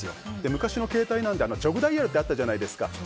昔の携帯なんでジョグダイヤルってあったじゃないですか。